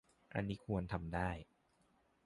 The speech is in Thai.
อันนี้ควรทำได้